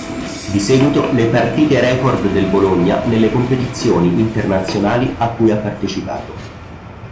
Di seguito le partite-record del Bologna nelle competizioni internazionali a cui ha partecipato.